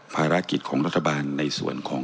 ภารกิจของรัฐบาลในส่วนของ